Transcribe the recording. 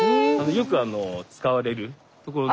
よくあの使われるところの。